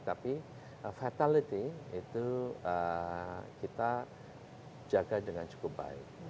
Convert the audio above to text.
tapi fatality itu kita jaga dengan cukup baik